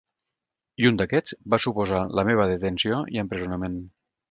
I un d’aquests va suposar la meva detenció i empresonament.